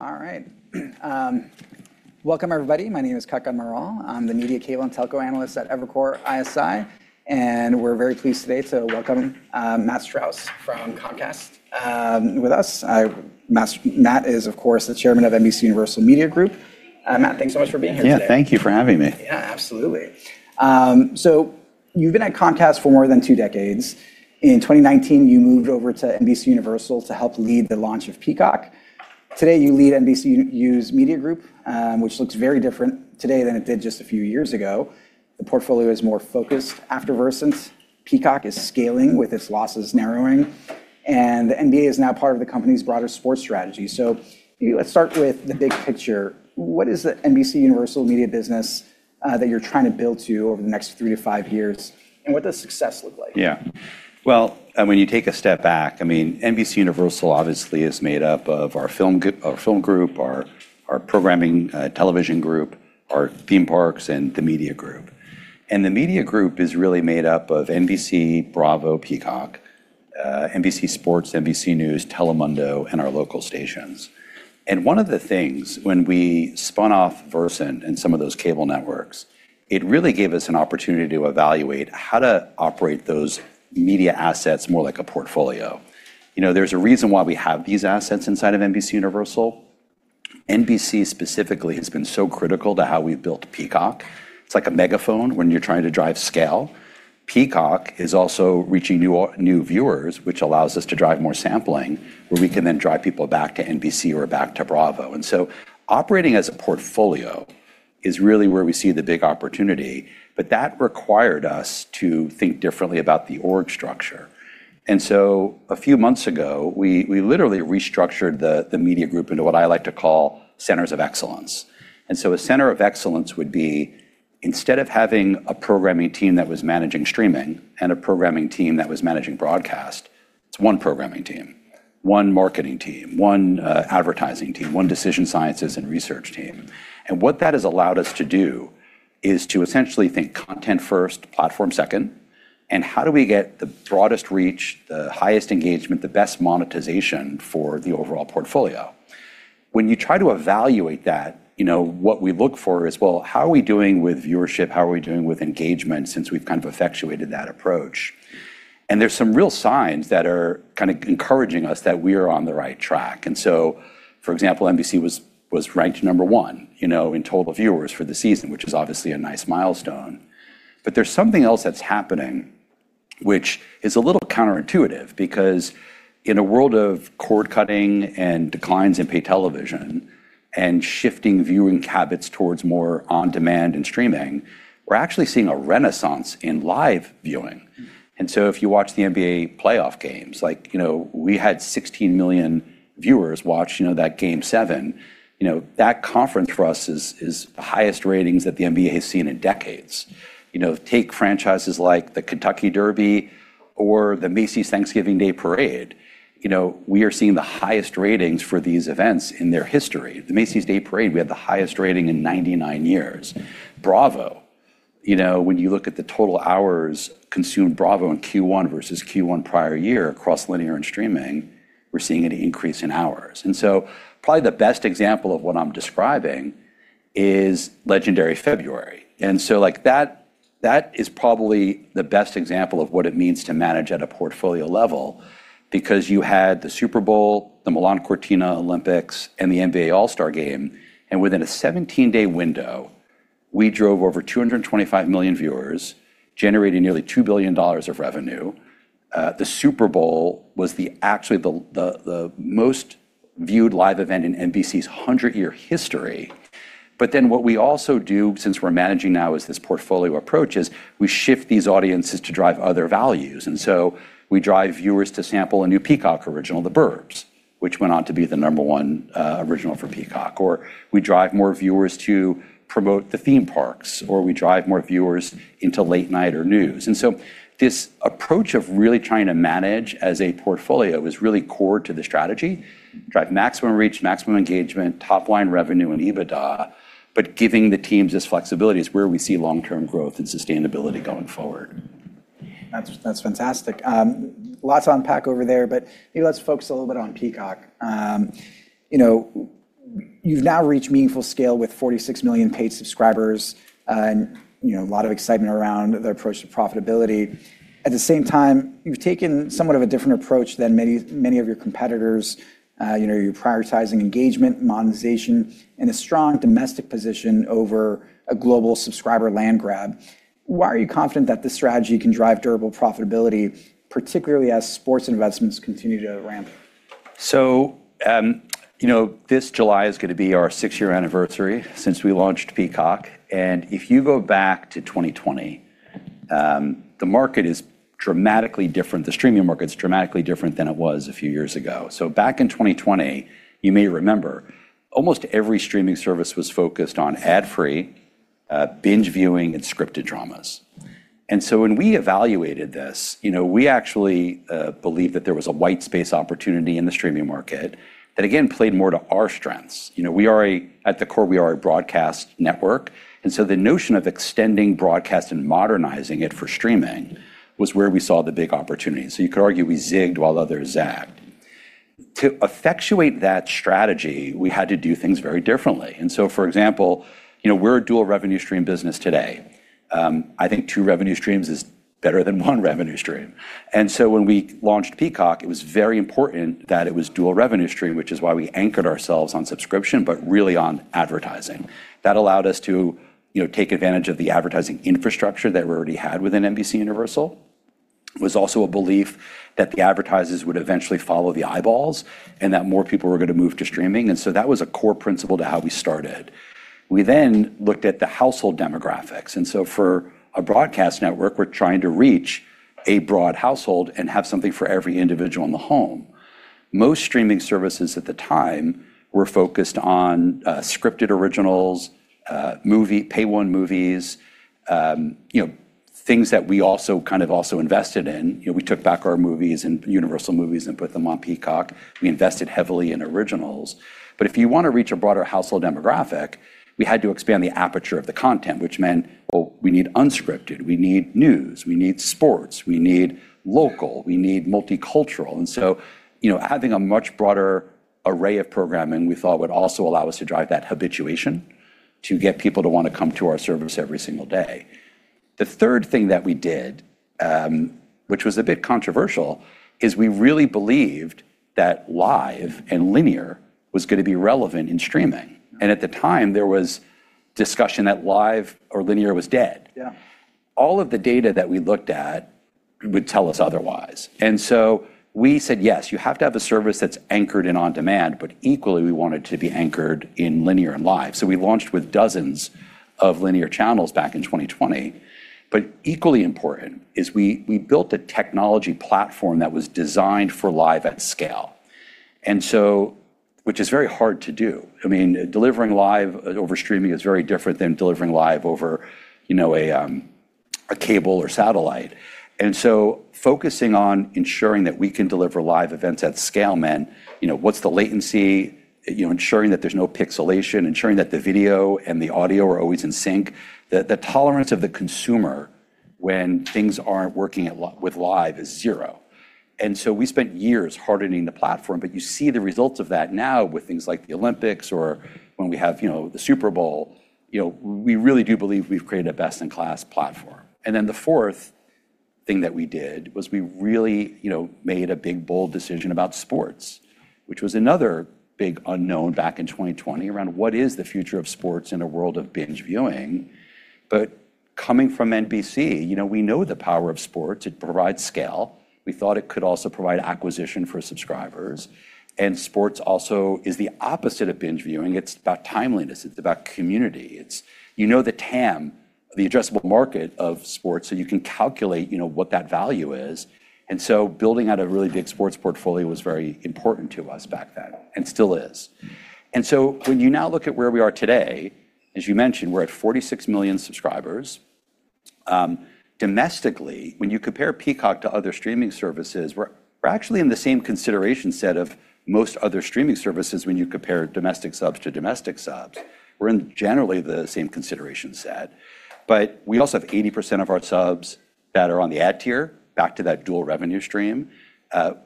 All right. Welcome everybody. My name is Kutgun Maral. I'm the media cable and telco analyst at Evercore ISI, and we're very pleased today to welcome Matt Strauss from Comcast. With us, Matt is, of course, the Chairman of NBCUniversal Media Group. Matt, thanks so much for being here today. Yeah, thank you for having me. Absolutely. You've been at Comcast for more than two decades. In 2019, you moved over to NBCUniversal to help lead the launch of Peacock. Today, you lead NBCU's Media Group, which looks very different today than it did just a few years ago. The portfolio is more focused after Versant. Peacock is scaling with its losses narrowing. The NBA is now part of the company's broader sports strategy. Let's start with the big picture. What is the NBCUniversal media business that you're trying to build to over the next three to five years, and what does success look like? When you take a step back, NBCUniversal obviously is made up of our film group, our programming television group, our theme parks, and the media group. The media group is really made up of NBC, Bravo, Peacock, NBC Sports, NBC News, Telemundo, and our local stations. One of the things, when we spun off Versant and some of those cable networks, it really gave us an opportunity to evaluate how to operate those media assets more like a portfolio. There's a reason why we have these assets inside of NBCUniversal. NBC specifically has been so critical to how we've built Peacock. It's like a megaphone when you're trying to drive scale. Peacock is also reaching new viewers, which allows us to drive more sampling, where we can then drive people back to NBC or back to Bravo. Operating as a portfolio is really where we see the big opportunity, but that required us to think differently about the org structure. A few months ago, we literally restructured the Media Group into what I like to call centers of excellence. A center of excellence would be instead of having a programming team that was managing streaming and a programming team that was managing broadcast, it's one programming team, one marketing team, one advertising team, one decision sciences and research team. What that has allowed us to do is to essentially think content first, platform second, and how do we get the broadest reach, the highest engagement, the best monetization for the overall portfolio. When you try to evaluate that, what we look for is, well, how are we doing with viewership? How are we doing with engagement since we've kind of effectuated that approach? There's some real signs that are encouraging us that we are on the right track. For example, NBC was ranked number one in total viewers for the season, which is obviously a nice milestone. There's something else that's happening, which is a little counterintuitive because in a world of cord-cutting and declines in paid television and shifting viewing habits towards more on-demand and streaming, we're actually seeing a renaissance in live viewing. If you watch the NBA playoff games, we had 16 million viewers watch that game seven. That conference for us is the highest ratings that the NBA has seen in decades. Take franchises like the Kentucky Derby or the Macy's Thanksgiving Day Parade. We are seeing the highest ratings for these events in their history. The Macy's Day Parade, we had the highest rating in 99 years. Bravo. When you look at the total hours consumed Bravo in Q1 versus Q1 prior year across linear and streaming, we're seeing an increase in hours. Probably the best example of what I'm describing is Legendary February. That is probably the best example of what it means to manage at a portfolio level because you had the Super Bowl, the Milano Cortina Olympics, and the NBA All-Star Game. Within a 17-day window, we drove over 225 million viewers, generating nearly $2 billion of revenue. The Super Bowl was actually the most viewed live event in NBC's 100-year history. What we also do, since we're managing now as this portfolio approach, is we shift these audiences to drive other values. We drive viewers to sample a new Peacock original, "The Burbs," which went on to be the number one original for Peacock, or we drive more viewers to promote the theme parks, or we drive more viewers into late-night or news. This approach of really trying to manage as a portfolio is really core to the strategy, drive maximum reach, maximum engagement, top-line revenue, and EBITDA, but giving the teams this flexibility is where we see long-term growth and sustainability going forward. That's fantastic. Lots to unpack over there, but maybe let's focus a little bit on Peacock. You've now reached meaningful scale with 46 million paid subscribers, and a lot of excitement around the approach to profitability. At the same time, you've taken somewhat of a different approach than many of your competitors. You're prioritizing engagement, monetization, and a strong domestic position over a global subscriber land grab. Why are you confident that this strategy can drive durable profitability, particularly as sports investments continue to ramp? This July is going to be our six-year anniversary since we launched Peacock, and if you go back to 2020, the market is dramatically different. The streaming market is dramatically different than it was a few years ago. Back in 2020, you may remember, almost every streaming service was focused on ad-free, binge-viewing, and scripted dramas. When we evaluated this, we actually believed that there was a white space opportunity in the streaming market that, again, played more to our strengths. At the core, we are a broadcast network, and so the notion of extending broadcast and modernizing it for streaming was where we saw the big opportunity. You could argue we zigged while others zagged. To effectuate that strategy, we had to do things very differently. For example, we're a dual revenue stream business today. I think two revenue streams is better than one revenue stream. When we launched Peacock, it was very important that it was dual revenue stream, which is why we anchored ourselves on subscription, but really on advertising. That allowed us to take advantage of the advertising infrastructure that we already had within NBCUniversal. That was a core principle to how we started. We then looked at the household demographics, and so for a broadcast network, we're trying to reach a broad household and have something for every individual in the home. Most streaming services at the time were focused on scripted originals, pay one movies, things that we also invested in. We took back our movies and Universal movies and put them on Peacock. We invested heavily in originals. If you want to reach a broader household demographic, we had to expand the aperture of the content, which meant, we need unscripted, we need news, we need sports, we need local, we need multicultural. Having a much broader array of programming, we thought would also allow us to drive that habituation to get people to want to come to our service every single day. The third thing that we did, which was a bit controversial, is we really believed that live and linear was going to be relevant in streaming. At the time there was discussion that live or linear was dead. Yeah. All of the data that we looked at would tell us otherwise. We said, yes, you have to have a service that's anchored in on-demand, but equally we want it to be anchored in linear and live. We launched with dozens of linear channels back in 2020. Equally important is we built a technology platform that was designed for live at scale. Which is very hard to do. Delivering live over streaming is very different than delivering live over a cable or satellite. Focusing on ensuring that we can deliver live events at scale meant, what's the latency, ensuring that there's no pixelation, ensuring that the video and the audio are always in sync, the tolerance of the consumer when things aren't working with live is zero. We spent years hardening the platform. You see the results of that now with things like the Olympics or when we have the Super Bowl. We really do believe we've created a best-in-class platform. The fourth thing that we did was we really made a big, bold decision about sports, which was another big unknown back in 2020 around what is the future of sports in a world of binge viewing. Coming from NBC, we know the power of sports. It provides scale. We thought it could also provide acquisition for subscribers. Sports also is the opposite of binge viewing. It's about timeliness, it's about community. You know the TAM, the addressable market of sports, so you can calculate what that value is. Building out a really big sports portfolio was very important to us back then, and still is. When you now look at where we are today, as you mentioned, we're at 46 million subscribers. Domestically, when you compare Peacock to other streaming services, we're actually in the same consideration set of most other streaming services when you compare domestic subs to domestic subs. We're in generally the same consideration set. We also have 80% of our subs that are on the ad tier back to that dual revenue stream.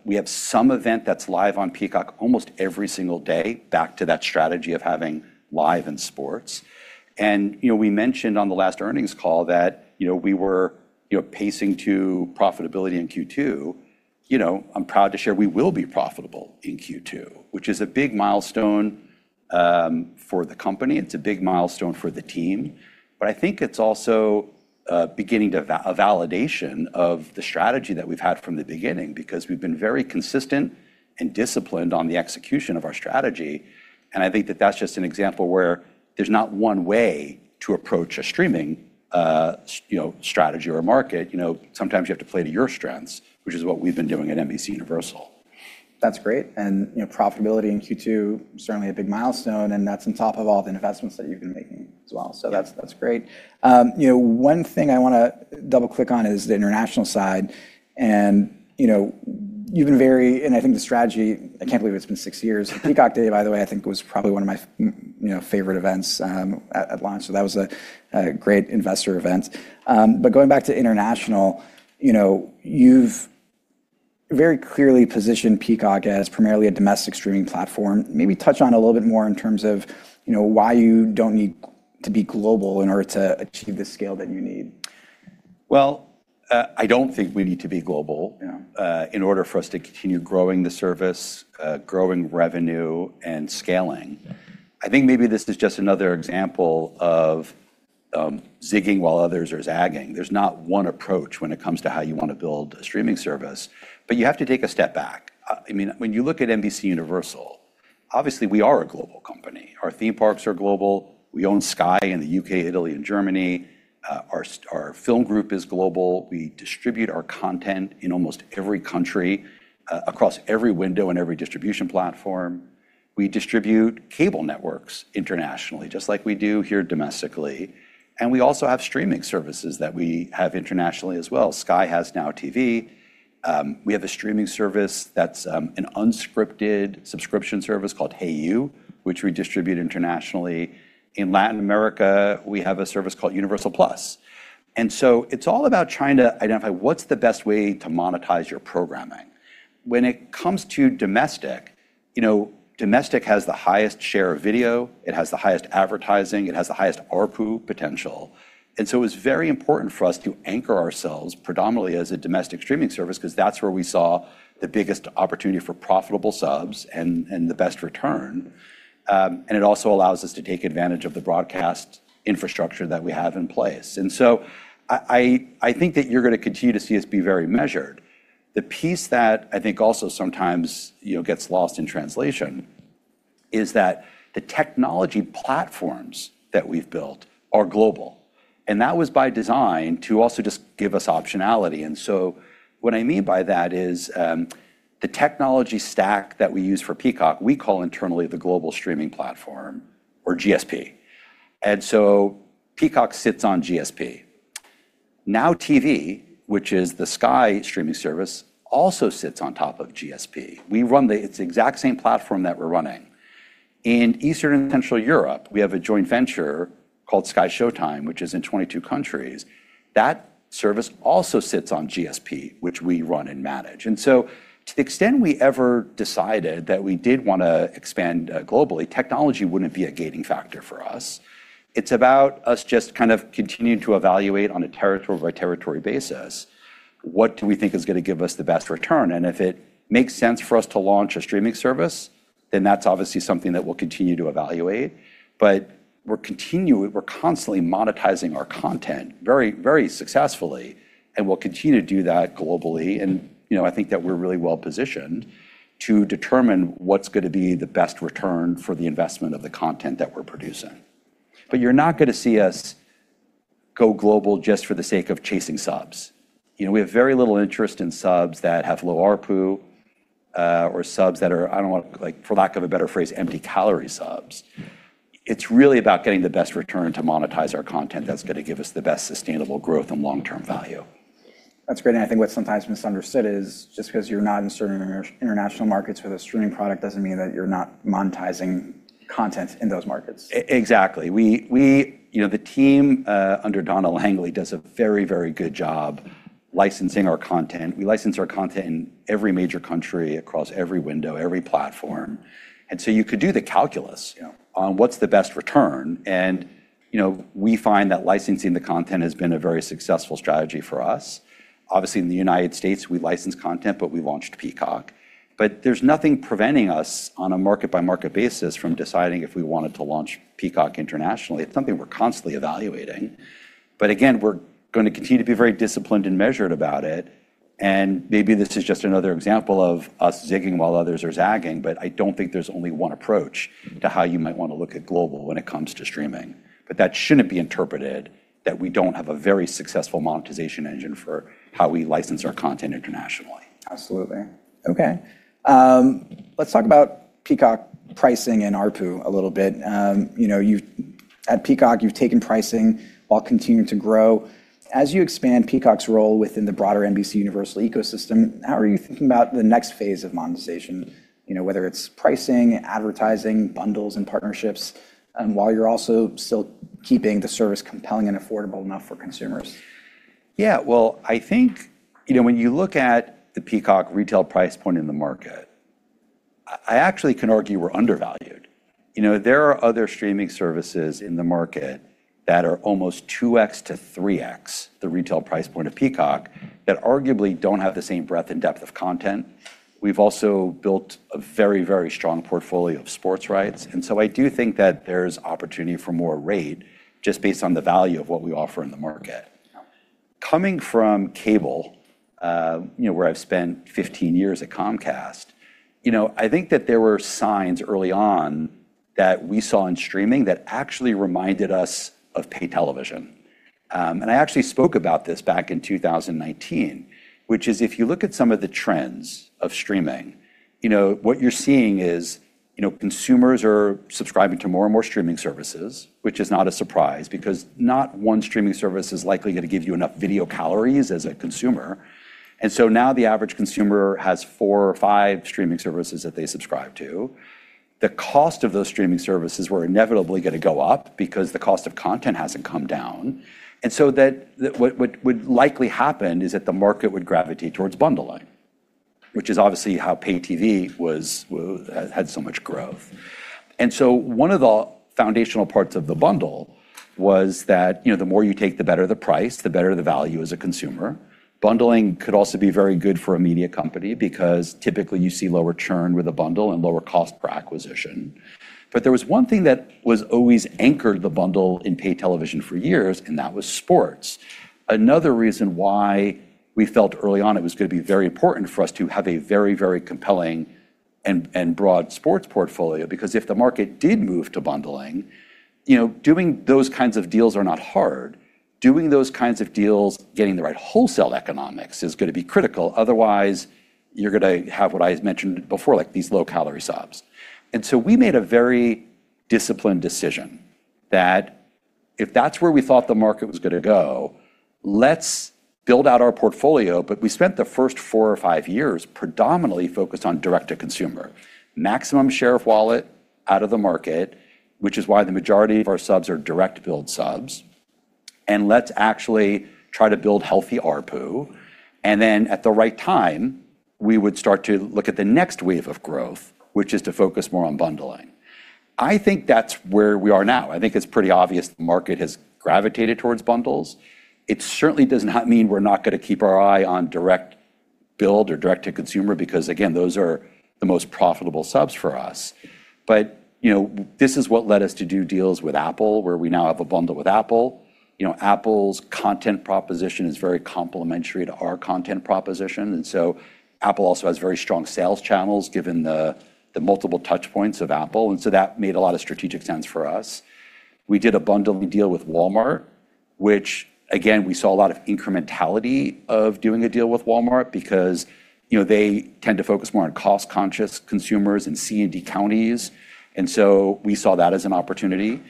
We have some event that's live on Peacock almost every single day back to that strategy of having live and sports. We mentioned on the last earnings call that we were pacing to profitability in Q2. I'm proud to share we will be profitable in Q2, which is a big milestone for the company. It's a big milestone for the team. I think it's also beginning a validation of the strategy that we've had from the beginning because we've been very consistent and disciplined on the execution of our strategy. I think that that's just an example where there's not one way to approach a streaming strategy or a market. Sometimes you have to play to your strengths, which is what we've been doing at NBCUniversal. Profitability in Q2, certainly a big milestone, and that's on top of all the investments that you've been making as well. That's great. One thing I want to double-click on is the international side. I think the strategy, I can't believe it's been six years. Peacock Day, by the way, I think was probably one of my favorite events at launch. That was a great investor event. Going back to international, you've very clearly positioned Peacock as primarily a domestic streaming platform. Maybe touch on a little bit more in terms of why you don't need to be global in order to achieve the scale that you need. Well, I don't think we need to be global- Yeah. in order for us to continue growing the service, growing revenue and scaling. I think maybe this is just another example of zigging while others are zagging. There's not one approach when it comes to how you want to build a streaming service, but you have to take a step back. When you look at NBCUniversal, obviously we are a global company. Our theme parks are global. We own Sky in the U.K., Italy, and Germany. Our film group is global. We distribute our content in almost every country, across every window and every distribution platform. We distribute cable networks internationally, just like we do here domestically. We also have streaming services that we have internationally as well. Sky has NOW TV. We have a streaming service that's an unscripted subscription service called Hayu, which we distribute internationally. In Latin America, we have a service called Universal+. It's all about trying to identify what's the best way to monetize your programming. When it comes to domestic has the highest share of video, it has the highest advertising, it has the highest ARPU potential. It was very important for us to anchor ourselves predominantly as a domestic streaming service, because that's where we saw the biggest opportunity for profitable subs and the best return. It also allows us to take advantage of the broadcast infrastructure that we have in place. I think that you're going to continue to see us be very measured. The piece that I think also sometimes gets lost in translation is that the technology platforms that we've built are global, and that was by design to also just give us optionality. What I mean by that is the technology stack that we use for Peacock, we call internally the Global Streaming Platform or GSP. Peacock sits on GSP. Now TV, which is the Sky streaming service, also sits on top of GSP. It's the exact same platform that we're running. In Eastern and Central Europe, we have a joint venture called SkyShowtime, which is in 22 countries. That service also sits on GSP, which we run and manage. To the extent we ever decided that we did want to expand globally, technology wouldn't be a gating factor for us. It's about us just continuing to evaluate on a territory by territory basis, what do we think is going to give us the best return? If it makes sense for us to launch a streaming service, then that's obviously something that we'll continue to evaluate. We're constantly monetizing our content very successfully and we'll continue to do that globally. I think that we're really well positioned to determine what's going to be the best return for the investment of the content that we're producing. You're not going to see us go global just for the sake of chasing subs. We have very little interest in subs that have low ARPU or subs that are, for lack of a better phrase, empty calorie subs. It's really about getting the best return to monetize our content that's going to give us the best sustainable growth and long-term value. That's great. I think what's sometimes misunderstood is just because you're not in certain international markets with a streaming product doesn't mean that you're not monetizing content in those markets. Exactly. The team under Donna Langley does a very good job licensing our content. We license our content in every major country, across every window, every platform. You could do the calculus on what's the best return, and we find that licensing the content has been a very successful strategy for us. Obviously, in the United States, we license content, but we launched Peacock. There's nothing preventing us on a market by market basis from deciding if we wanted to launch Peacock internationally. It's something we're constantly evaluating. Again, we're going to continue to be very disciplined and measured about it. Maybe this is just another example of us zigging while others are zagging, but I don't think there's only one approach to how you might want to look at global when it comes to streaming. That shouldn't be interpreted that we don't have a very successful monetization engine for how we license our content internationally. Absolutely. Okay. Let's talk about Peacock pricing and ARPU a little bit. At Peacock, you've taken pricing while continuing to grow. As you expand Peacock's role within the broader NBCUniversal ecosystem, how are you thinking about the next phase of monetization? Whether it's pricing, advertising, bundles, and partnerships, and while you're also still keeping the service compelling and affordable enough for consumers. Yeah. Well, I think when you look at the Peacock retail price point in the market, I actually can argue we're undervalued. There are other streaming services in the market that are almost 2x to 3x the retail price point of Peacock that arguably don't have the same breadth and depth of content. We've also built a very strong portfolio of sports rights. I do think that there's opportunity for more rate just based on the value of what we offer in the market. Yeah. Coming from cable, where I've spent 15 years at Comcast, I think that there were signs early on that we saw in streaming that actually reminded us of pay television. I actually spoke about this back in 2019, which is if you look at some of the trends of streaming, what you're seeing is consumers are subscribing to more and more streaming services, which is not a surprise because not one streaming service is likely going to give you enough video calories as a consumer. Now the average consumer has four or five streaming services that they subscribe to. The cost of those streaming services were inevitably going to go up because the cost of content hasn't come down. What would likely happen is that the market would gravitate towards bundling, which is obviously how pay TV had so much growth. One of the foundational parts of the bundle was that the more you take, the better the price, the better the value as a consumer. Bundling could also be very good for a media company because typically you see lower churn with a bundle and lower cost per acquisition. There was one thing that always anchored the bundle in paid television for years, and that was sports. Another reason why we felt early on it was going to be very important for us to have a very compelling and broad sports portfolio because if the market did move to bundling, doing those kinds of deals are not hard. Doing those kinds of deals, getting the right wholesale economics is going to be critical. Otherwise, you're going to have what I mentioned before, these low-calorie subs. We made a very disciplined decision that if that's where we thought the market was going to go, let's build out our portfolio. We spent the first four or five years predominantly focused on direct to consumer. Maximum share of wallet out of the market, which is why the majority of our subs are direct build subs. Let's actually try to build healthy ARPU. Then at the right time, we would start to look at the next wave of growth, which is to focus more on bundling. I think that's where we are now. I think it's pretty obvious the market has gravitated towards bundles. It certainly does not mean we're not going to keep our eye on direct build or direct to consumer, because again, those are the most profitable subs for us. This is what led us to do deals with Apple, where we now have a bundle with Apple. Apple's content proposition is very complementary to our content proposition. Apple also has very strong sales channels, given the multiple touch points of Apple. That made a lot of strategic sense for us. We did a bundling deal with Walmart, which again, we saw a lot of incrementality of doing a deal with Walmart because they tend to focus more on cost-conscious consumers in C and D counties. We saw that as an opportunity.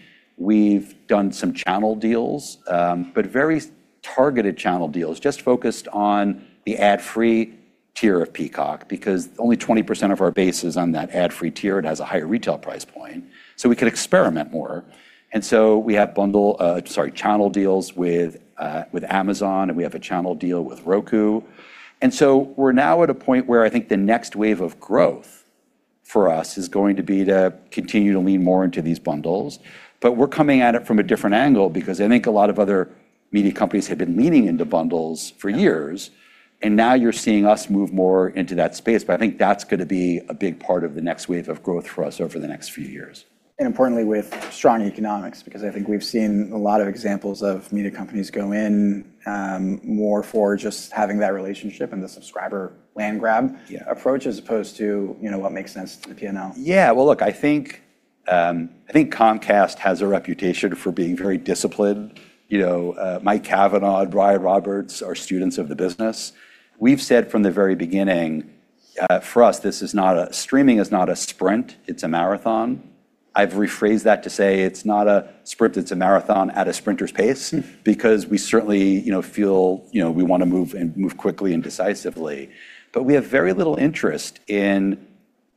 We've done some channel deals, but very targeted channel deals just focused on the ad-free tier of Peacock, because only 20% of our base is on that ad-free tier. It has a higher retail price point. We could experiment more. We have bundle, sorry, channel deals with Amazon, and we have a channel deal with Roku. We're now at a point where I think the next wave of growth for us is going to be to continue to lean more into these bundles. We're coming at it from a different angle because I think a lot of other media companies have been leaning into bundles for years, and now you're seeing us move more into that space. I think that's going to be a big part of the next wave of growth for us over the next few years. Importantly, with strong economics, because I think we've seen a lot of examples of media companies go in more for just having that relationship and the subscriber land grab. Yeah. Approach as opposed to what makes sense to P&L. Yeah. Well, look, I think Comcast has a reputation for being very disciplined. Mike Cavanaugh and Brian Roberts are students of the business. We've said from the very beginning, for us, streaming is not a sprint, it's a marathon. I've rephrased that to say it's not a sprint, it's a marathon at a sprinter's pace. We certainly feel we want to move quickly and decisively. We have very little interest in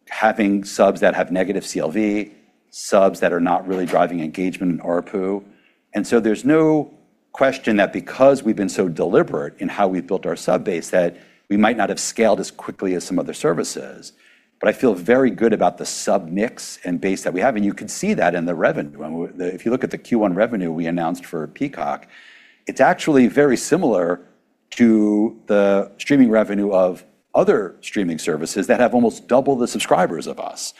having subs that have negative CLV, subs that are not really driving engagement in ARPU. There's no question that because we've been so deliberate in how we've built our subbase, that we might not have scaled as quickly as some other services. I feel very good about the sub mix and base that we have, and you can see that in the revenue. If you look at the Q1 revenue we announced for Peacock, it's actually very similar to the streaming revenue of other streaming services that have almost double the subscribers of us.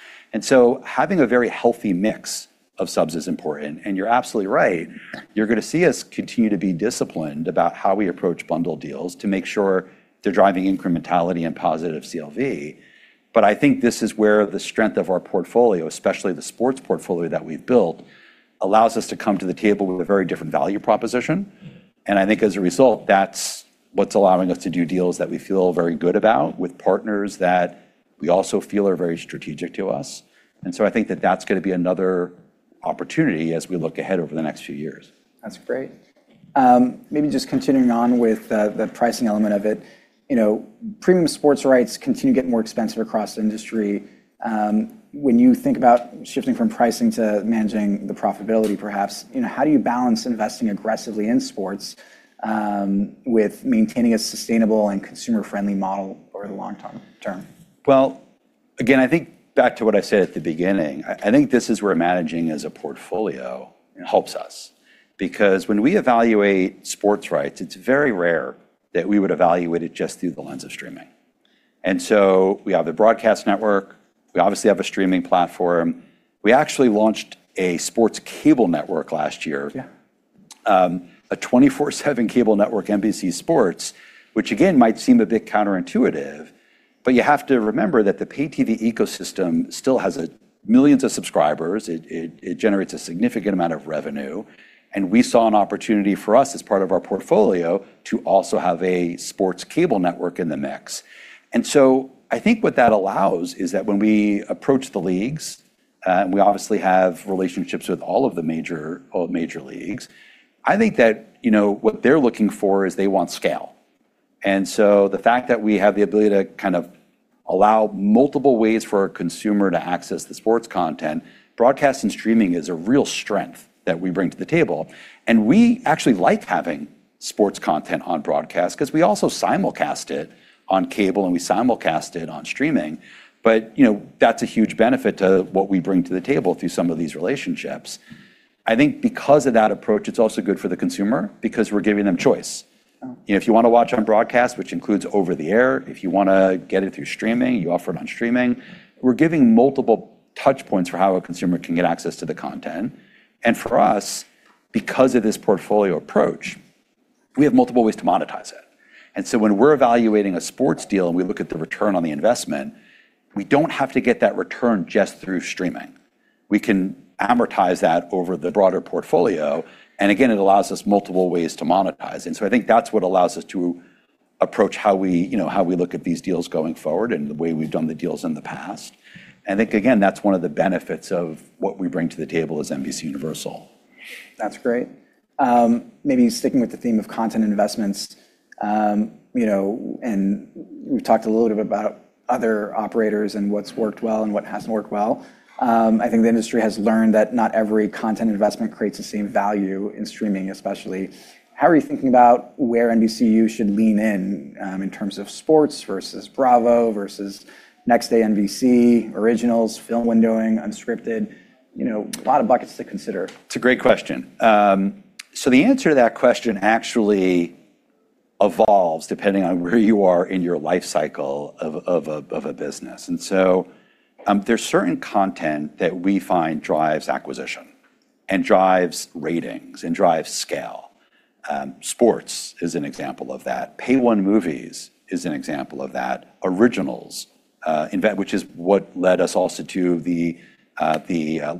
Having a very healthy mix of subs is important. You're absolutely right, you're going to see us continue to be disciplined about how we approach bundle deals to make sure they're driving incrementality and positive CLV. I think this is where the strength of our portfolio, especially the sports portfolio that we've built, allows us to come to the table with a very different value proposition. I think as a result, that's what's allowing us to do deals that we feel very good about with partners that we also feel are very strategic to us. I think that that's going to be another opportunity as we look ahead over the next few years. That's great. Maybe just continuing on with the pricing element of it. Premium sports rights continue to get more expensive across the industry. When you think about shifting from pricing to managing the profitability perhaps, how do you balance investing aggressively in sports with maintaining a sustainable and consumer-friendly model over the long term? Well, again, I think back to what I said at the beginning. I think this is where managing as a portfolio helps us. When we evaluate sports rights, it's very rare that we would evaluate it just through the lens of streaming. We have a broadcast network, we obviously have a streaming platform. We actually launched a sports cable network last year. Yeah. A 24/7 cable network, NBC Sports, which again, might seem a bit counterintuitive, but you have to remember that the pay-TV ecosystem still has millions of subscribers. It generates a significant amount of revenue, and we saw an opportunity for us as part of our portfolio to also have a sports cable network in the mix. I think what that allows is that when we approach the leagues, and we obviously have relationships with all of the major leagues, I think that what they're looking for is they want scale. The fact that we have the ability to kind of allow multiple ways for a consumer to access the sports content, broadcast and streaming is a real strength that we bring to the table. We actually like having sports content on broadcast because we also simulcast it on cable, and we simulcast it on streaming. That's a huge benefit to what we bring to the table through some of these relationships. I think because of that approach, it's also good for the consumer because we're giving them choice. Yeah. If you want to watch on broadcast, which includes over-the-air, if you want to get it through streaming, you offer it on streaming. We're giving multiple touchpoints for how a consumer can get access to the content. For us, because of this portfolio approach, we have multiple ways to monetize it. When we're evaluating a sports deal, and we look at the return on the investment, we don't have to get that return just through streaming. We can amortize that over the broader portfolio. Again, it allows us multiple ways to monetize. I think that's what allows us to approach how we look at these deals going forward and the way we've done the deals in the past. I think, again, that's one of the benefits of what we bring to the table as NBCUniversal. That's great. Maybe sticking with the theme of content and investments. We've talked a little bit about other operators and what's worked well and what hasn't worked well. I think the industry has learned that not every content investment creates the same value in streaming, especially. How are you thinking about where NBCU should lean in terms of sports versus Bravo versus next day NBC Originals, film windowing, unscripted, a lot of buckets to consider. It's a great question. The answer to that question actually evolves depending on where you are in your life cycle of a business. There's certain content that we find drives acquisition and drives ratings and drives scale. Sports is an example of that. Pay one movies is an example of that. Originals, in fact, which is what led us also to the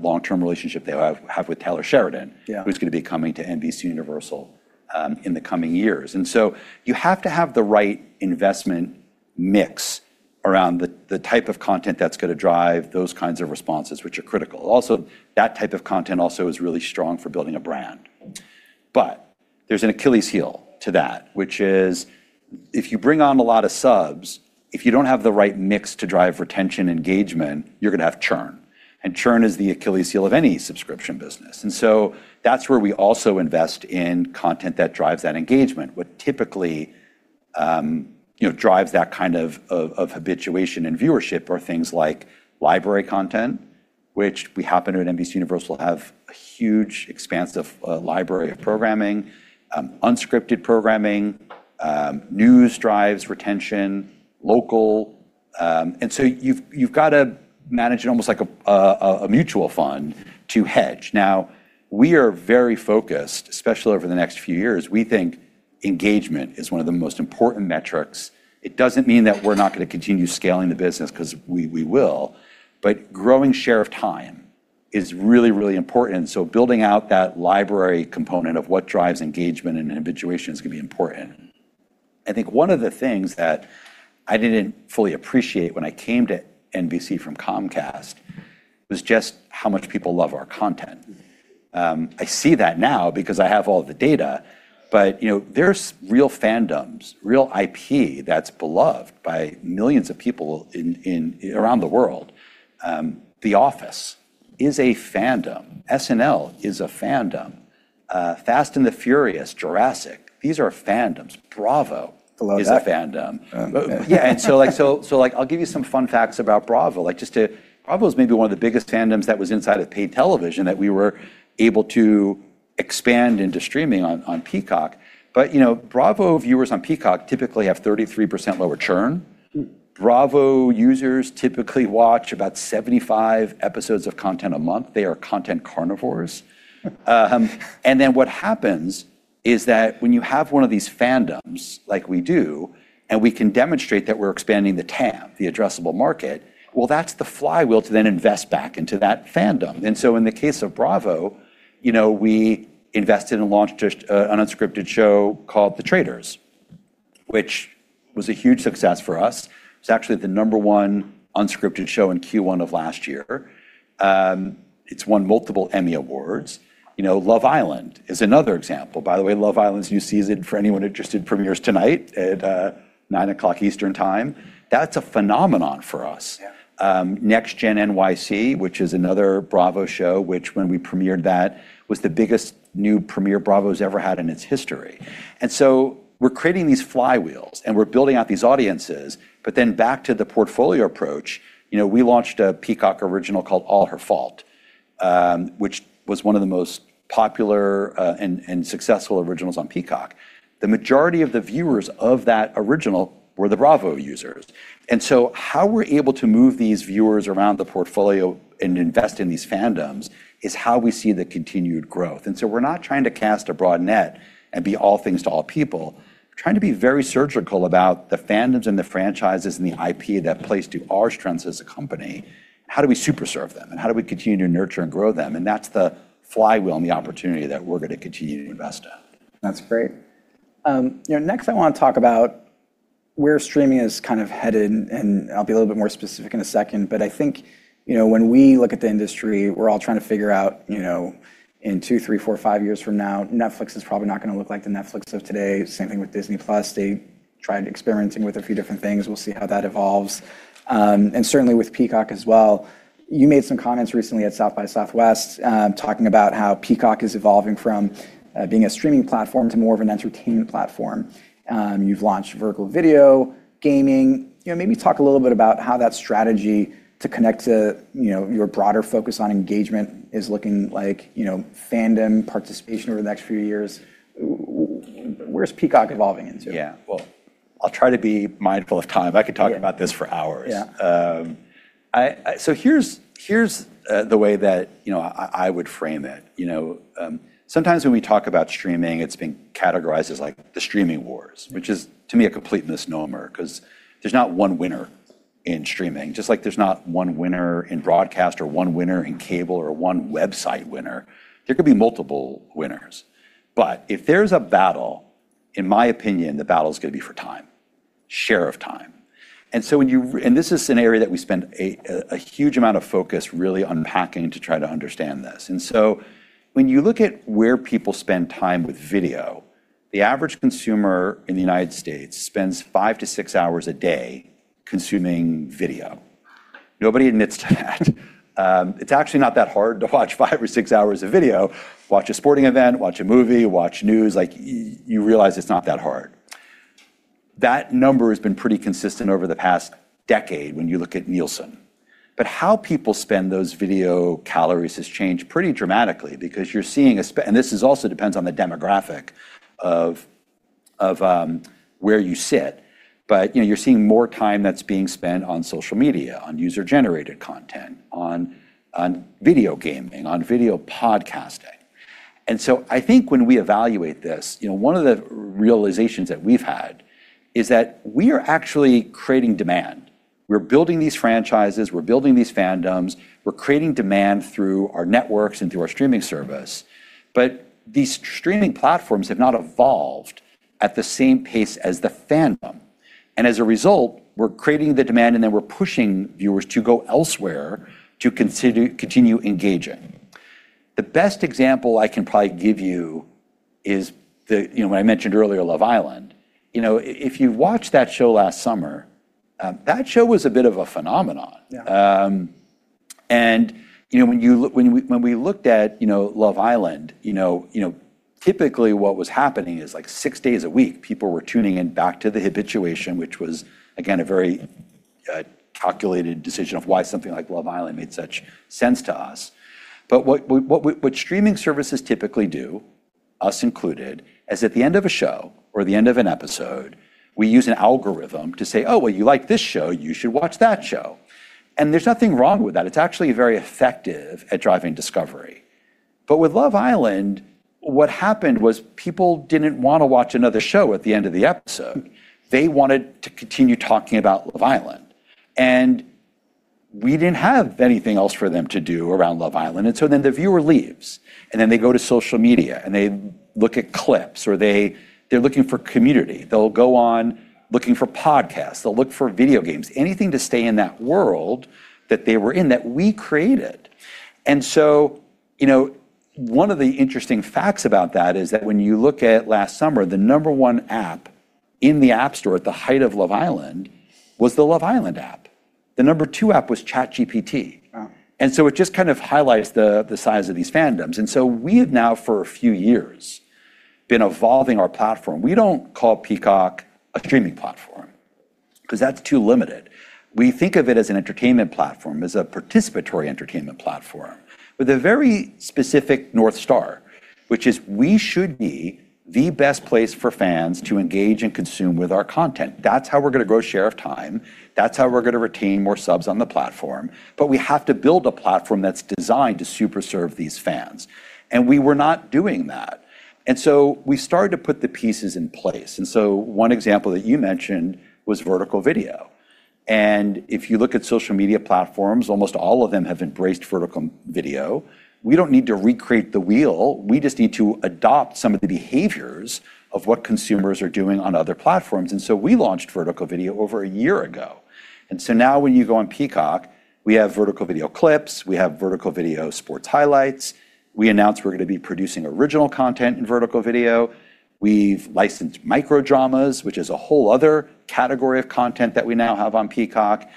long-term relationship that I have with Taylor Sheridan. Yeah. Who's going to be coming to NBCUniversal in the coming years. You have to have the right investment mix around the type of content that's going to drive those kinds of responses, which are critical. Also, that type of content also is really strong for building a brand. There's an Achilles heel to that, which is if you bring on a lot of subs, if you don't have the right mix to drive retention engagement, you're going to have churn. Churn is the Achilles heel of any subscription business. That's where we also invest in content that drives that engagement. What typically drives that kind of habituation and viewership are things like library content, which we happen to, at NBCUniversal, have a huge expansive library of programming, unscripted programming, news drives retention, local. You've got to manage it almost like a mutual fund to hedge. We are very focused, especially over the next few years, we think engagement is one of the most important metrics. It doesn't mean that we're not going to continue scaling the business because we will. Growing share of time is really, really important. Building out that library component of what drives engagement and habituation is going to be important. I think one of the things that I didn't fully appreciate when I came to NBC from Comcast was just how much people love our content. I see that now because I have all the data, there's real fandoms, real IP that's beloved by millions of people around the world. "The Office" is a fandom. "SNL" is a fandom. "The Fast and the Furious," "Jurassic," these are fandoms. Bravo is a fandom. Below Deck. Is a fandom. Yeah. Yeah, I'll give you some fun facts about Bravo. Bravo is maybe one of the biggest fandoms that was inside of paid television that we were able to expand into streaming on Peacock. Bravo viewers on Peacock typically have 33% lower churn. Bravo users typically watch about 75 episodes of content a month. They are content carnivores. What happens is that when you have one of these fandoms like we do, and we can demonstrate that we're expanding the TAM, the addressable market, well, that's the flywheel to then invest back into that fandom. In the case of Bravo, we invested and launched an unscripted show called "The Traitors," which was a huge success for us. It was actually the number one unscripted show in Q1 of last year. It's won multiple Emmy awards. "Love Island" is another example. By the way, "Love Island's" new season, for anyone interested, premieres tonight at 9:00 o'clock Eastern Time. That's a phenomenon for us. Yeah. Next Gen NYC," which is another Bravo show, which when we premiered that, was the biggest new premiere Bravo's ever had in its history. We're creating these flywheels, and we're building out these audiences. Back to the portfolio approach, we launched a Peacock original called "All Her Fault," which was one of the most popular and successful originals on Peacock. The majority of the viewers of that original were the Bravo users. How we're able to move these viewers around the portfolio and invest in these fandoms is how we see the continued growth. We're not trying to cast a broad net and be all things to all people. We're trying to be very surgical about the fandoms and the franchises and the IP that plays to our strengths as a company. How do we super serve them, and how do we continue to nurture and grow them? That's the flywheel and the opportunity that we're going to continue to invest in. That's great. Next I want to talk about where streaming is headed. I'll be a little bit more specific in a second. I think, when we look at the industry, we're all trying to figure out, in two, three, four, five years from now, Netflix is probably not going to look like the Netflix of today. Same thing with Disney+. They tried experimenting with a few different things. We'll see how that evolves. Certainly with Peacock as well. You made some comments recently at South by Southwest, talking about how Peacock is evolving from being a streaming platform to more of an entertainment platform. You've launched vertical video, gaming. Maybe talk a little bit about how that strategy to connect to your broader focus on engagement is looking like, fandom participation over the next few years. Where's Peacock evolving into? Yeah. Well, I'll try to be mindful of time. I could talk about this for hours. Yeah. Here's the way that I would frame it. Sometimes when we talk about streaming, it's being categorized as like the streaming wars, which is to me a complete misnomer because there's not one winner in streaming, just like there's not one winner in broadcast or one winner in cable or one website winner. There could be multiple winners. If there's a battle, in my opinion, the battle's going to be for time. Share of time. This is an area that we spent a huge amount of focus really unpacking to try to understand this. When you look at where people spend time with video, the average consumer in the U.S. spends five to six hours a day consuming video. Nobody admits to that. It's actually not that hard to watch five or six hours of video. Watch a sporting event, watch a movie, watch news. You realize it's not that hard. That number has been pretty consistent over the past decade when you look at Nielsen. How people spend those video calories has changed pretty dramatically because you're seeing, and this also depends on the demographic of where you sit. You're seeing more time that's being spent on social media, on user-generated content, on video gaming, on video podcasting. I think when we evaluate this, one of the realizations that we've had is that we are actually creating demand. We're building these franchises, we're building these fandoms, we're creating demand through our networks and through our streaming service. These streaming platforms have not evolved at the same pace as the fandom. As a result, we're creating the demand, and then we're pushing viewers to go elsewhere to continue engaging. The best example I can probably give you is when I mentioned earlier, "Love Island." If you watched that show last summer, that show was a bit of a phenomenon. Yeah. When we looked at Love Island, typically, what was happening is six days a week, people were tuning in back to the habituation, which was, again, a very calculated decision of why something like Love Island made such sense to us. What streaming services typically do, us included, is at the end of a show or the end of an episode, we use an algorithm to say, "Oh, well, you like this show, you should watch that show." There's nothing wrong with that. It's actually very effective at driving discovery. With Love Island, what happened was people didn't want to watch another show at the end of the episode. They wanted to continue talking about "Love Island," and we didn't have anything else for them to do around "Love Island." The viewer leaves, and then they go to social media, and they look at clips, or they're looking for community. They'll go on looking for podcasts. They'll look for video games. Anything to stay in that world that they were in, that we created. One of the interesting facts about that is that when you look at last summer, the number one app in the App Store at the height of "Love Island" was the "Love Island" app. The number two app was ChatGPT. Wow. It just kind of highlights the size of these fandoms. We have now, for a few years, been evolving our platform. We don't call Peacock a streaming platform because that's too limited. We think of it as an entertainment platform, as a participatory entertainment platform with a very specific North Star, which is we should be the best place for fans to engage and consume with our content. That's how we're going to grow share of time. That's how we're going to retain more subs on the platform. We have to build a platform that's designed to super serve these fans, and we were not doing that. We started to put the pieces in place. One example that you mentioned was vertical video. If you look at social media platforms, almost all of them have embraced vertical video. We don't need to recreate the wheel. We just need to adopt some of the behaviors of what consumers are doing on other platforms. We launched vertical video over a year ago. Now when you go on Peacock, we have vertical video clips. We have vertical video sports highlights. We announced we're going to be producing original content in vertical video. We've licensed micro dramas, which is a whole other category of content that we now have on Peacock.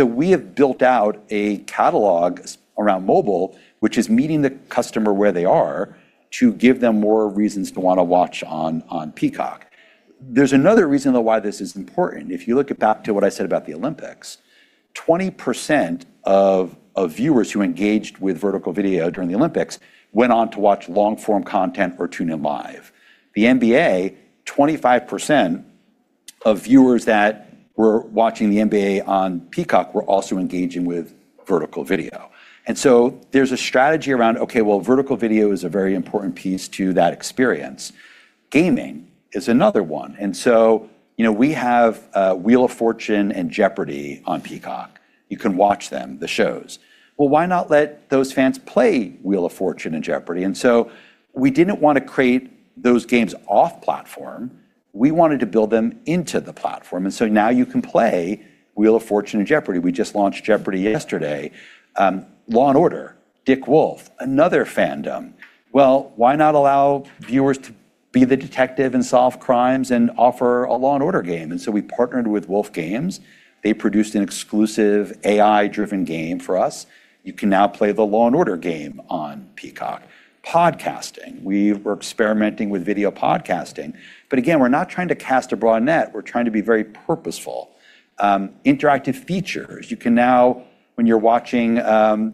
We have built out a catalog around mobile, which is meeting the customer where they are to give them more reasons to want to watch on Peacock. There's another reason, though, why this is important. If you look back to what I said about the Olympics, 20% of viewers who engaged with vertical video during the Olympics went on to watch long-form content or tune in live. The NBA, 25% of viewers that were watching the NBA on Peacock were also engaging with vertical video. There's a strategy around, okay, well, vertical video is a very important piece to that experience. Gaming is another one. We have Wheel of Fortune and Jeopardy! on Peacock. You can watch them, the shows. Well, why not let those fans play Wheel of Fortune and Jeopardy!? We didn't want to create those games off-platform. We wanted to build them into the platform. Now you can play Wheel of Fortune and Jeopardy!. We just launched Jeopardy! yesterday. Law & Order, Dick Wolf, another fandom. Well, why not allow viewers to be the detective and solve crimes and offer a Law & Order game? We partnered with Wolf Games. They produced an exclusive AI-driven game for us. You can now play the Law & Order game on Peacock. Podcasting. We were experimenting with video podcasting. Again, we're not trying to cast a broad net. We're trying to be very purposeful. Interactive features. You can now, when you're watching the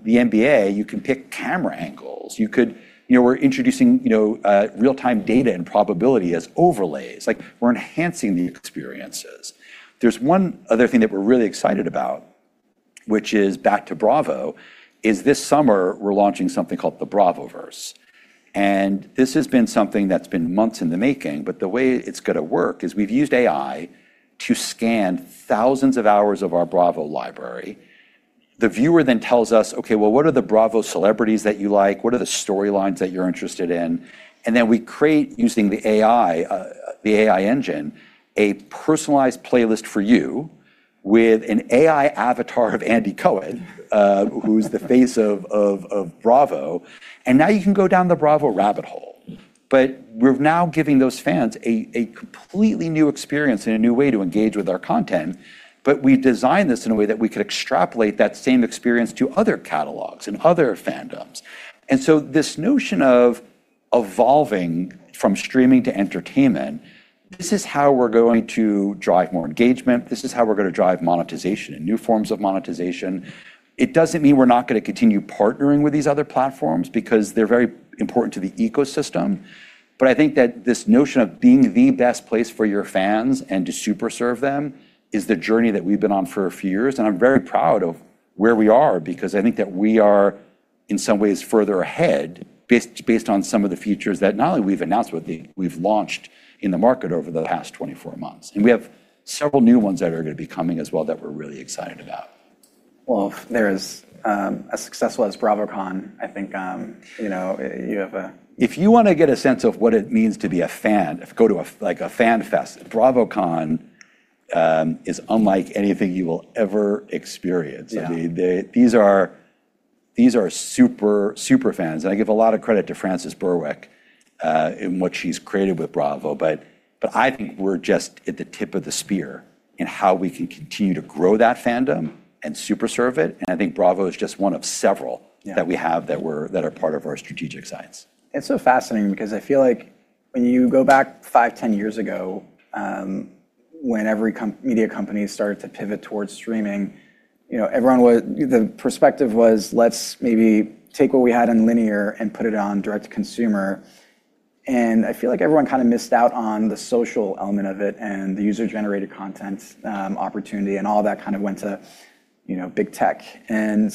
NBA, you can pick camera angles. We're introducing real-time data and probability as overlays. We're enhancing the experiences. There's one other thing that we're really excited about, which is back to Bravo, is this summer we're launching something called the Bravoverse. This has been something that's been months in the making, but the way it's going to work is we've used AI to scan thousands of hours of our Bravo library. The viewer then tells us, "Okay, well, what are the Bravo celebrities that you like? What are the storylines that you're interested in?" Then we create, using the AI engine, a personalized playlist for you with an AI avatar of Andy Cohen, who's the face of Bravo. Now you can go down the Bravo rabbit hole. We're now giving those fans a completely new experience and a new way to engage with our content. We designed this in a way that we could extrapolate that same experience to other catalogs and other fandoms. This notion of evolving from streaming to entertainment, this is how we're going to drive more engagement. This is how we're going to drive monetization and new forms of monetization. It doesn't mean we're not going to continue partnering with these other platforms because they're very important to the ecosystem. I think that this notion of being the best place for your fans and to super serve them is the journey that we've been on for a few years. I'm very proud of where we are because I think that we are, in some ways, further ahead based on some of the features that not only we've announced, but we've launched in the market over the past 24 months. We have several new ones that are going to be coming as well that we're really excited about. Well, as successful as BravoCon, I think you have. If you want to get a sense of what it means to be a fan, go to a Fan Fest. BravoCon is unlike anything you will ever experience. Yeah. These are super fans. I give a lot of credit to Frances Berwick in what she's created with Bravo. I think we're just at the tip of the spear in how we can continue to grow that fandom and super serve it. I think Bravo is just one of several Yeah. that we have that are part of our strategic Symphony. It's so fascinating because I feel like when you go back five, 10 years ago, when every media company started to pivot towards streaming, the perspective was, "Let's maybe take what we had in linear and put it on direct to consumer." I feel like everyone missed out on the social element of it and the user-generated content opportunity, and all that went to big tech. It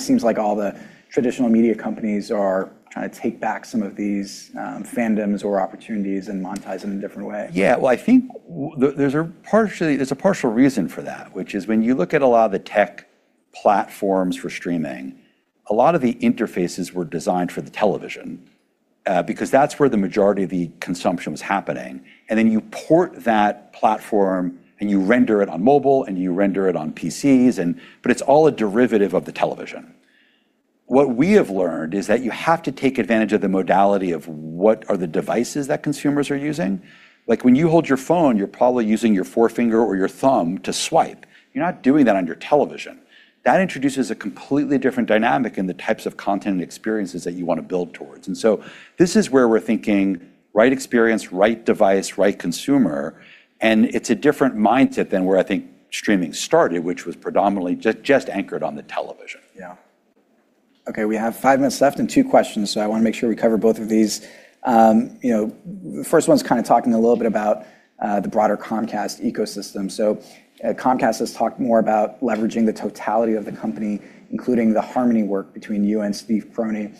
seems like all the traditional media companies are trying to take back some of these fandoms or opportunities and monetize them in different ways. Yeah. Well, I think there's a partial reason for that, which is when you look at a lot of the tech platforms for streaming, a lot of the interfaces were designed for the television because that's where the majority of the consumption was happening. Then you port that platform, and you render it on mobile, and you render it on PCs, but it's all a derivative of the television. What we have learned is that you have to take advantage of the modality of what are the devices that consumers are using. Like when you hold your phone, you're probably using your forefinger or your thumb to swipe. You're not doing that on your television. That introduces a completely different dynamic in the types of content and experiences that you want to build towards. This is where we're thinking, right experience, right device, right consumer, and it's a different mindset than where I think streaming started, which was predominantly just anchored on the television. Yeah. Okay, we have five minutes left and two questions, so I want to make sure we cover both of these. The first one's talking a little bit about the broader Comcast ecosystem. Comcast has talked more about leveraging the totality of the company, including the Harmony work between you and Steve Burke.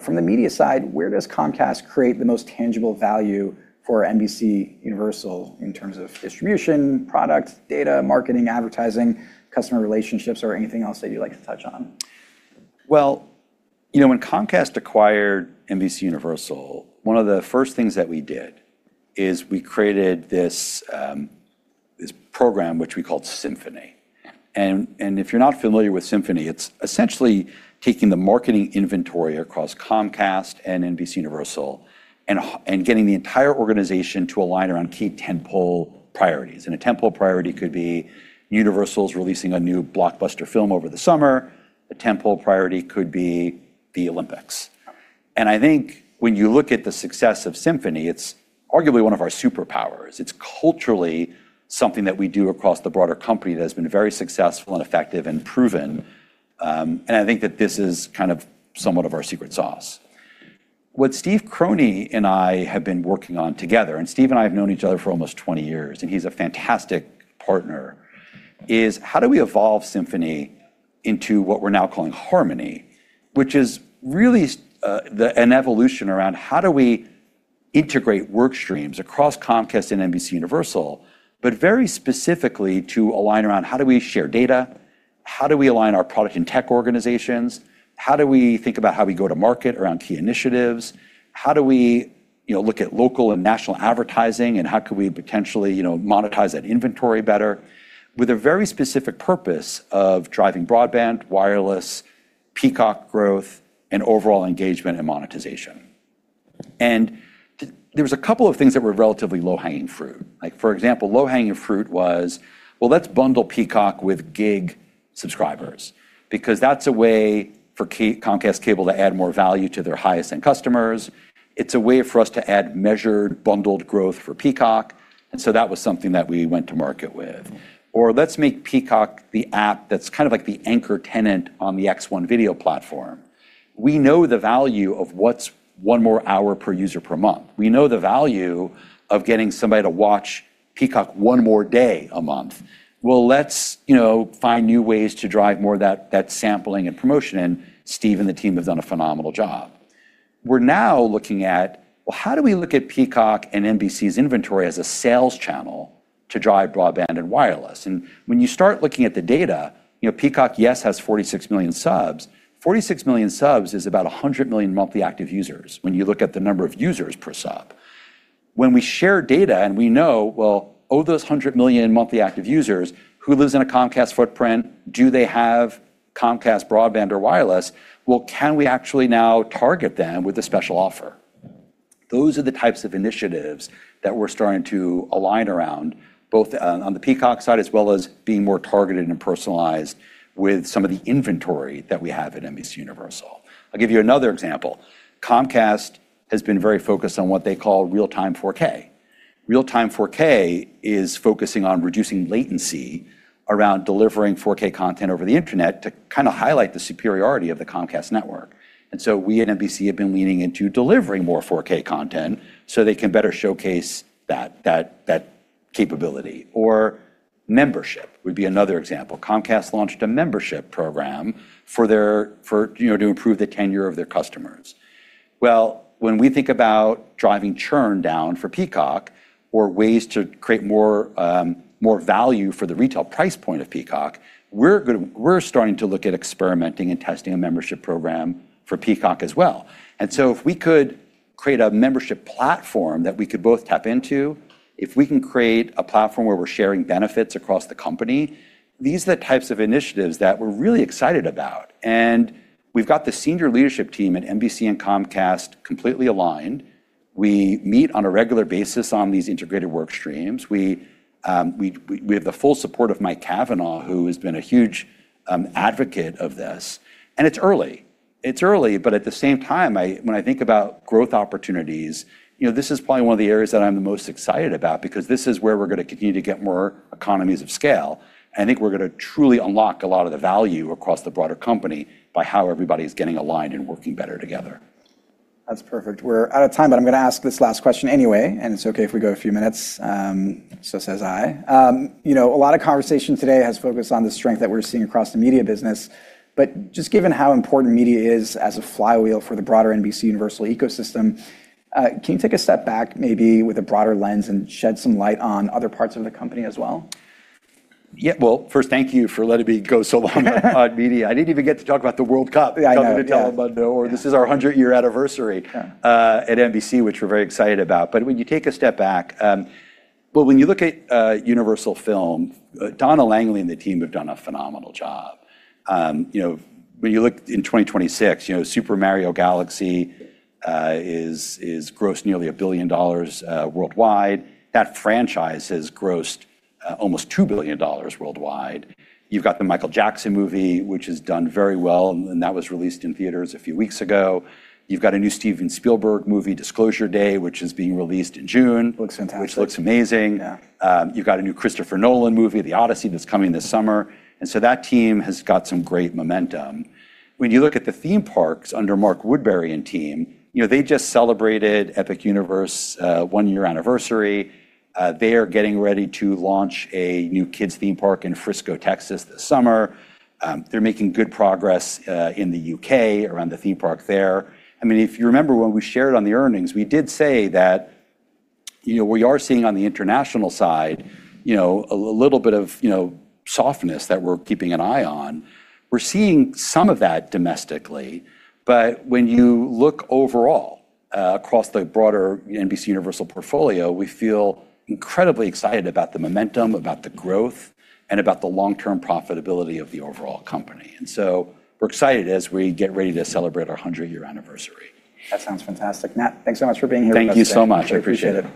From the media side, where does Comcast create the most tangible value for NBCUniversal in terms of distribution, product data, marketing, advertising, customer relationships, or anything else that you'd like to touch on? Well, when Comcast acquired NBCUniversal, one of the first things that we did is we created this program, which we called Symphony. If you're not familiar with Symphony, it's essentially taking the marketing inventory across Comcast and NBCUniversal and getting the entire organization to align around key tentpole priorities. A tentpole priority could be Universal's releasing a new blockbuster film over the summer. A tentpole priority could be the Olympics. I think when you look at the success of Symphony, it's arguably one of our superpowers. It's culturally something that we do across the broader company that has been very successful and effective and proven. I think that this is somewhat of our secret sauce. What Steve Burke and I have been working on together, and Steve and I have known each other for almost 20 years, and he's a fantastic partner, is how do we evolve Symphony into what we're now calling Harmony, which is really an evolution around how do we integrate work streams across Comcast and NBCUniversal. Very specifically to align around how do we share data, how do we align our product and tech organizations, how do we think about how we go to market around key initiatives, how do we look at local and national advertising, and how could we potentially monetize that inventory better with a very specific purpose of driving broadband, wireless, Peacock growth, and overall engagement and monetization. There was a couple of things that were relatively low-hanging fruit. For example, low-hanging fruit was, well, let's bundle Peacock with gig subscribers because that's a way for Comcast Cable to add more value to their highest end customers. It's a way for us to add measured, bundled growth for Peacock. That was something that we went to market with. Let's make Peacock the app that's like the anchor tenant on the X1 video platform. We know the value of what's one more hour per user per month. We know the value of getting somebody to watch Peacock one more day a month. Well, let's find new ways to drive more of that sampling and promotion. Steve and the team have done a phenomenal job. We're now looking at, well, how do we look at Peacock and NBC's inventory as a sales channel to drive broadband and wireless. When you start looking at the data, Peacock, yes, has 46 million subs. 46 million subs is about 100 million monthly active users when you look at the number of users per sub. When we share data and we know, well, of those 100 million monthly active users, who lives in a Comcast footprint, do they have Comcast broadband or wireless? Well, can we actually now target them with a special offer? Those are the types of initiatives that we're starting to align around, both on the Peacock side, as well as being more targeted and personalized with some of the inventory that we have at NBCUniversal. I'll give you another example. Comcast has been very focused on what they call real-time 4K. Real-time 4K is focusing on reducing latency around delivering 4K content over the internet to highlight the superiority of the Comcast network. We at NBC have been leaning into delivering more 4K content so they can better showcase that capability, or membership would be another example. Comcast launched a membership program to improve the tenure of their customers. When we think about driving churn down for Peacock or ways to create more value for the retail price point of Peacock, we're starting to look at experimenting and testing a membership program for Peacock as well. If we could create a membership platform that we could both tap into, if we can create a platform where we're sharing benefits across the company, these are the types of initiatives that we're really excited about. We've got the senior leadership team at NBC and Comcast completely aligned. We meet on a regular basis on these integrated work streams. We have the full support of Mike Cavanagh, who has been a huge advocate of this. It's early. It's early, but at the same time, when I think about growth opportunities, this is probably one of the areas that I'm the most excited about because this is where we're going to continue to get more economies of scale. I think we're going to truly unlock a lot of the value across the broader company by how everybody's getting aligned and working better together. That's perfect. We're out of time, but I'm going to ask this last question anyway, and it's okay if we go a few minutes. Says I. A lot of conversation today has focused on the strength that we're seeing across the media business, but just given how important media is as a flywheel for the broader NBCUniversal ecosystem, can you take a step back, maybe with a broader lens, and shed some light on other parts of the company as well? Well, first, thank you for letting me go so long on media. I didn't even get to talk about the World Cup. Yeah, I know. Coming to BravoCon, or this is our 100-year anniversary. Yeah. At NBC, which we're very excited about. When you take a step back, well, when you look at Universal Pictures, Donna Langley and the team have done a phenomenal job. When you look in 2026, "The Super Mario Bros. Movie" has grossed nearly $1 billion worldwide. That franchise has grossed almost $2 billion worldwide. You've got the Michael Jackson movie, which has done very well, and that was released in theaters a few weeks ago. You've got a new Steven Spielberg movie, "Disclosure Day," which is being released in June. Looks fantastic. Which looks amazing. Yeah. You've got a new Christopher Nolan movie, "The Odyssey," that's coming this summer, and so that team has got some great momentum. When you look at the theme parks under Mark Woodbury and team, they just celebrated Epic Universe one-year anniversary. They are getting ready to launch a new kids' theme park in Frisco, Texas this summer. They're making good progress in the U.K. around the theme park there. If you remember when we shared on the earnings, we did say that we are seeing on the international side a little bit of softness that we're keeping an eye on. We're seeing some of that domestically, but when you look overall across the broader NBCUniversal portfolio, we feel incredibly excited about the momentum, about the growth, and about the long-term profitability of the overall company. We're excited as we get ready to celebrate our 100-year anniversary. That sounds fantastic. Matt, thanks so much for being here with us today. Thank you so much. I appreciate it.